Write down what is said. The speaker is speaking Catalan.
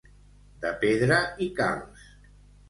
De pedra i calç.